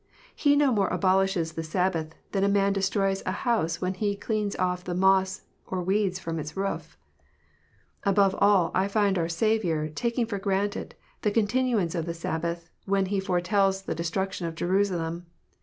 * He no more abolishes the Sabbath, than a man destroys a house when he cleans off the moss or weeds from its roof. Above all, I find our Saviour taking for granted the continu ance of the Sabbath, when He foretells the destruction of Jerusalem.